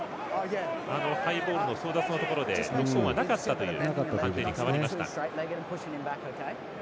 ハイボールの争奪のところでノックオンはなかったという判定に変わりました。